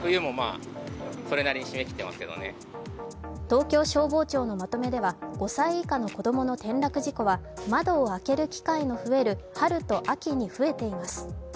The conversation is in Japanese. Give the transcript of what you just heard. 東京消防庁のまとめでは、５歳以下の子供の転落事故は、窓を開ける機会の増える春と秋に増えています。